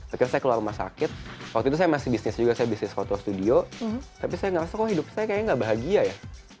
akhirnya saya keluar rumah sakit waktu itu saya masih bisnis juga saya bisnis foto studio tapi saya ngerasa kok hidup saya kayaknya gak bahagia ya